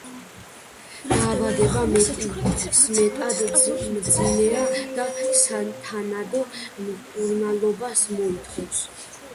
დაავადება მეტისმეტად მძიმეა და სათანადო მკურნალობას მოითხოვს.